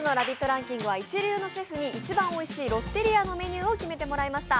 ランキングは一流シェフに一番おいしいロッテリアのメニューを決めてもらいました。